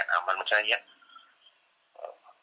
เจ็บปุ๊บผมมันพูดอะไรไม่ได้แล้ว